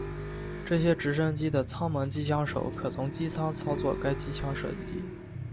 这些直升机的舱门机枪手可从机舱操作该机枪射击。